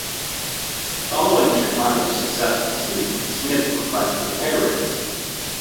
Following Chicago's successful season, Smith requested a pay raise.